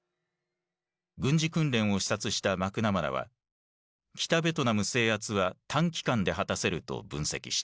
軍事訓練を視察したマクナマラは北ベトナム制圧は短期間で果たせると分析した。